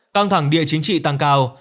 căng thẳng địa chính trị tăng cao